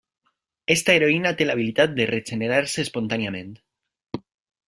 Aquesta heroïna té l'habilitat de regenerar-se espontàniament.